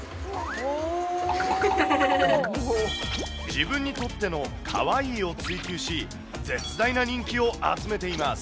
自分にとってのかわいいを追求し、絶大な人気を集めています。